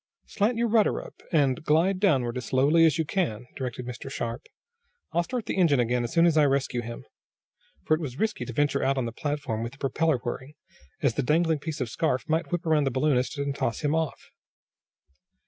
"Slant your rudder up, and glide downward as slowly as you can!" directed Mr. Sharp. "I'll start the engine again as soon as I rescue him," for it was risky to venture out on the platform with the propeller whirring, as the dangling piece of scarf might whip around the balloonist and toss him off.